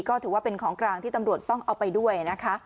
ก็ถือว่าเป็นของกลางที่ตำรวจต้องเอาไปด้วยนะคะ